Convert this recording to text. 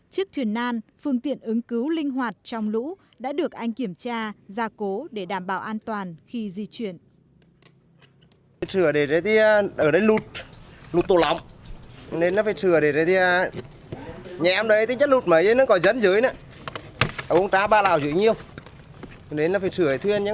chiếc thuyền nan phương tiện ứng cứu linh hoạt trong lũ đã được anh kiểm tra ra cố để đảm bảo an toàn khi di chuyển